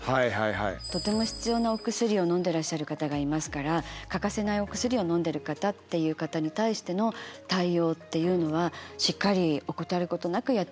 とても必要なお薬をのんでいらっしゃる方がいますから欠かせないお薬をのんでる方っていう方に対しての対応っていうのはしっかり怠ることなくやっていかなきゃいけない。